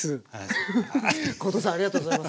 フフッ後藤さんありがとうございます。